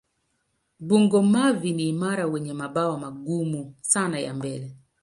Bungo-mavi ni imara wenye mabawa magumu sana ya mbele.